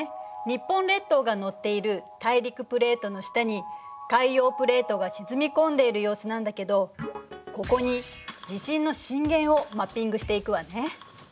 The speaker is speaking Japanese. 日本列島が乗っている大陸プレートの下に海洋プレートが沈み込んでいる様子なんだけどここに地震の震源をマッピングしていくわね。